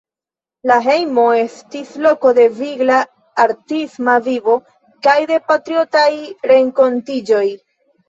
Lia hejmo estis loko de vigla artisma vivo kaj de patriotaj renkontiĝoj.